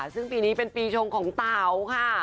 ซึ่งปีนี้เป็นปีชงของเต๋าค่ะ